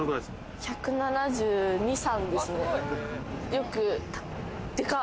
１７２、３ですね。